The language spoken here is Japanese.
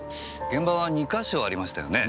現場は２か所ありましたよね？